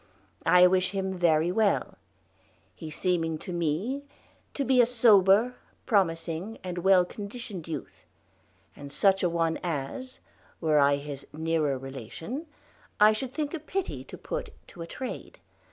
I wish him very well; he seeming to me to be a sober, promising, and well conditioned youthe; and such a one as, were I his neerer relation, I shoulde thinke a pitye to put to a trade.